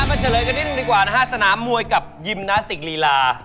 มาเฉลยกันนี้ดีกว่านะฮะสนามมวยกับยิมนาสติกรีลา